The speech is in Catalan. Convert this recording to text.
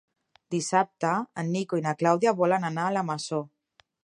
Dissabte en Nico i na Clàudia volen anar a la Masó.